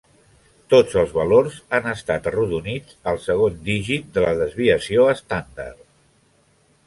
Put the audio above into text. Tots els valors han estat arrodonits al segon dígit de la desviació estàndard.